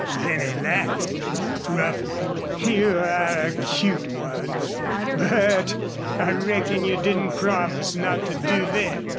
Then he laughed, but gruffly. "You air a cute one. But I reckon you didn't promise not to do thet....